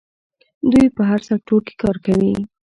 دوی په هر سکتور کې کار کوي.